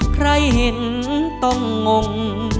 ใครเห็นต้องงง